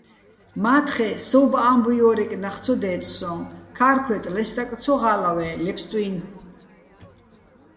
მა́თხე სოუ̆ბო̆ ა́მბუიჲო́რიკ ნახ ცო დე́წე̆ სო́ჼ, ქა́რქვეტ ლე სტაკ ცო ღა́ლავე́ ლე ფსტუჲნო̆.